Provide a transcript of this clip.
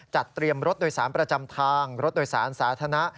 จัดเตรียมรถโดยสารประจำทางรถโดยสารสาธารณะ